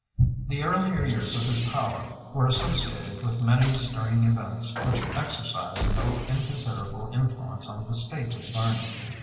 The earlier years of his power were associated with many stirring events which exercised no inconsiderable influence on the state of learning.